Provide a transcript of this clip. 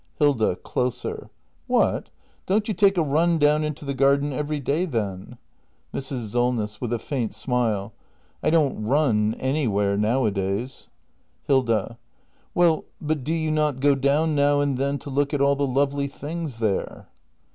Hilda. [Closer.] What! Don't you take a run down into the garden every day, then ? Mrs. Solness. [With a faint smile.] I don't "run" anywhere, nowa days. Hilda. Well, but do you not go down now and then to look at all the lovely things there